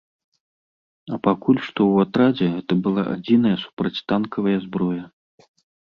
А пакуль што ў атрадзе гэта была адзіная супрацьтанкавая зброя.